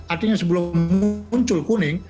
artinya sebelum muncul kuning